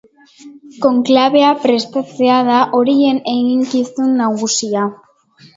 Konklabea prestatzea da horien eginkizun nagusia.